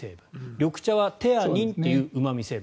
緑茶はテアニンといううま味成分。